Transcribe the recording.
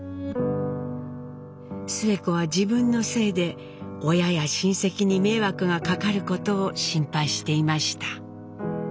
スエ子は自分のせいで親や親戚に迷惑がかかることを心配していました。